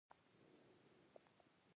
هغوی په همدغه سرنوشت اخته وو.